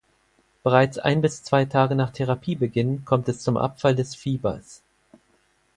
Bereits ein bis zwei Tage nach Therapiebeginn kommt es zum Abfall des Fiebers.